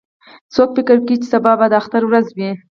څوک فکر کوي چې سبا به د اختر ورځ وي